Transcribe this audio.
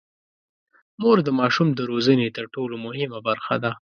مور د ماشوم د روزنې تر ټولو مهمه برخه ده.